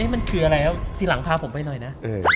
มันคืออะไรครับทีหลังพาผมไปหน่อยนะ